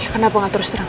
kenapa gak terus terang